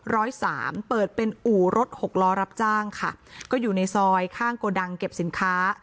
ร้อยสามเปิดเป็นอู่รถหกล้อรับจ้างค่ะก็อยู่ในซอยข้างโกดังเก็บสินค้า